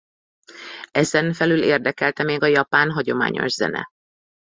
Ezenfelül érdekelte még a japán hagyományos zene.